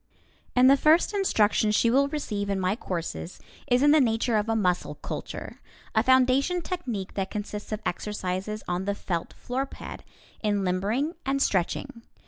And the first instruction she will receive in my courses is in the nature of a muscle culture, a foundation technique that consists of exercises, on the felt floorpad, in limbering and stretching.